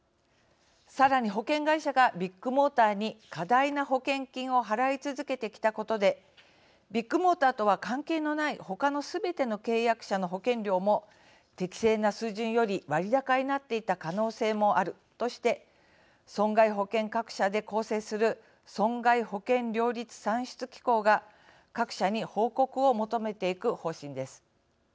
さらに保険会社がビッグモーターに過大な保険金を払い続けてきたことでビッグモーターとは関係のない他のすべての契約者の保険料も適正な水準より割高になっていた可能性もあるとして損害保険各社で構成する損害保険料率算出機構が各社に報告を求めていく方針です。